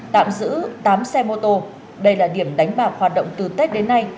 tạm giữ tám xe mô tô đây là điểm đánh bạc hoạt động từ tết đến nay